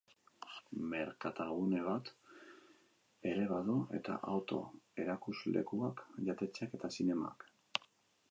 Merkatalgune bat ere badu, eta auto erakuslekuak, jatetxeak eta zinema.